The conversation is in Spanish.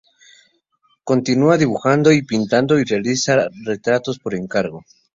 Continúa dibujando y pintando y realiza retratos por encargo.